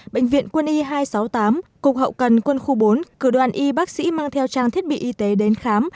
bệnh viện quân y hai trăm sáu mươi tám cục hậu cần quân khu bốn cử đoàn y bác sĩ mang theo trang thiết bị y tế đến khám